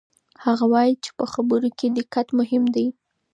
هغه وایي چې په خبرونو کې دقت مهم دی.